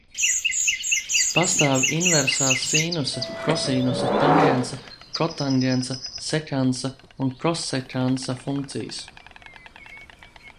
Pastāv inversā sinusa, kosinusa, tangensa, kotangensa, sekansa un kosekansa funkcijas.